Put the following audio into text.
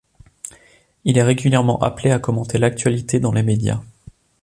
Il est régulièrement appelé à commenter l'actualité dans les médias.